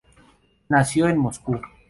Nació en Moscú.